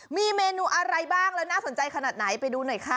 มีเมนูอะไรบ้างแล้วน่าสนใจขนาดไหนไปดูหน่อยค่ะ